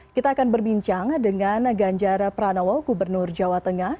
kita akan berbincang dengan ganjar pranowo gubernur jawa tengah